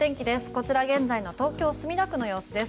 こちら現在の東京・墨田区の様子です。